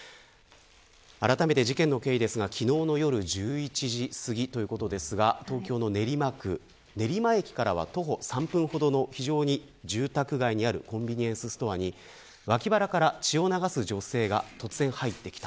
あらためて事件の経緯ですが昨日の夜１１時すぎということですが東京の練馬区練馬駅からは徒歩３分ほどの住宅街にあるコンビニエンスストアに脇腹から血を流す女性が突然入ってきた。